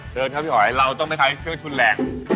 เชิญครับพี่หอยเราต้องไปท้ายเครื่องทุนแหลก